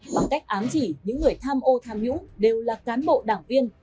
bằng cách ám chỉ những người tham ô tham nhũng đều là cán bộ đảng viên